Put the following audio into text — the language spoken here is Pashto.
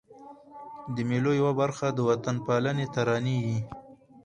د مېلو یوه برخه د وطن پالني ترانې يي.